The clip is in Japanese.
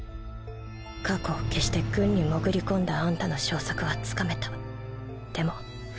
過去を消して軍に潜り込んだあんたの嘘つき！